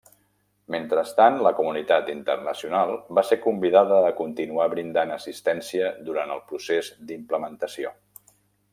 Mentrestant, la comunitat internacional va ser convidada a continuar brindant assistència durant el procés d'implementació.